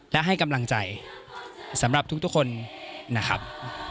และให้กำลังใจสำหรับทุกคนนะครับ